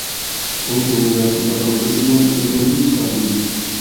ئۇ كۆڭلىدە شۇنداق ئويلىسىمۇ، ئېغىزىدىن چىقارمىدى.